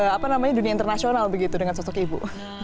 apa namanya dunia internasional begitu dengan sosok ibu